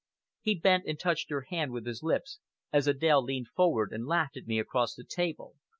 He bent and touched her hand with his lips, as Adèle leaned forward and laughed at me across the table.